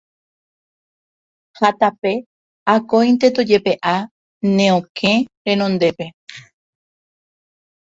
Ha tape akóinte tojepe'a ne okẽ renondépe.